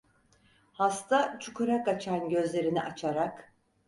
Hasta, çukura kaçan gözlerini açarak: